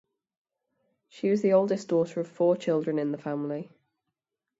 She was the oldest daughter of four children in the family.